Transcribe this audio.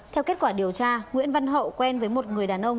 theo kết quả điều tra nguyễn văn hậu quen với một người đàn ông